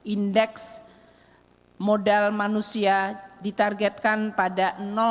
indeks modal manusia ditargetkan pada lima puluh enam